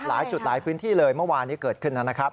หลายจุดหลายพื้นที่เลยเมื่อวานนี้เกิดขึ้นนะครับ